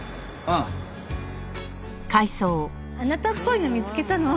あなたっぽいの見つけたの。